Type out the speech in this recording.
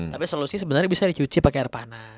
tapi solusi sebenarnya bisa dicuci pake air panas